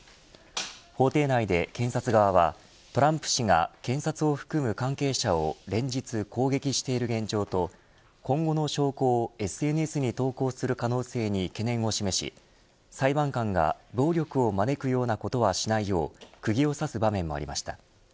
法廷内で検察側はトランプ氏が検察を含む関係者を連日、攻撃している現状と今後の証拠をＳＮＳに投稿する可能性に懸念を示し裁判官が、暴力を招くようなことはしないようくぎを刺す場面もありました。